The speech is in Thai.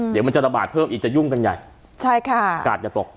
เดี๋ยวมันจะระบาดเพิ่มอีกจะยุ่งกันใหญ่ใช่ค่ะกาดอย่าตก